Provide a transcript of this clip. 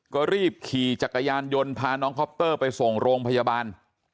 ก็รีบขี่จักรยานยนต์พาน้องคอปเตอร์ไปส่งโรงพยาบาล